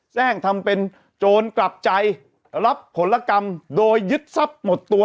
แทร่งทำเป็นโจรกลับใจรับผลกรรมโดยยึดทรัพย์หมดตัว